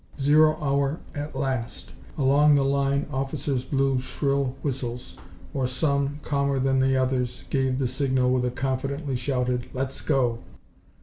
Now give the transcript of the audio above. Zero hour at last! Along the line officers blew shrill whistles, or some, calmer than the others, gave the signal with a confidently shouted, "Let's go!"